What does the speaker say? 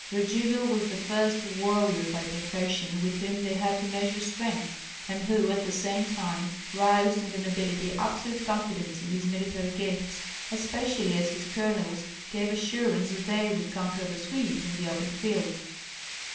Radzivill was the first warrior by profession with whom they had to measure strength, and who at the same time roused in the nobility absolute confidence in his military gifts, especially as his colonels gave assurance that they would conquer the Swedes in the open field.